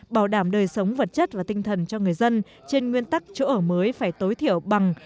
bảo đảm đời sống vật chất và tinh thần cho người dân trên nguyên tắc chỗ ở mới phải tối thiểu bằng